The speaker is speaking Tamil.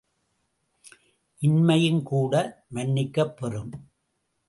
இன்மையும் கூட மன்னிக்கப்பெறும்.